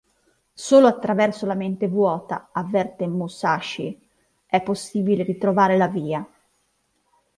Solo attraverso la mente vuota, avverte Musashi, è possibile trovare la Via.